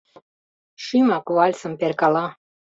— Шӱмак вальсым перкала.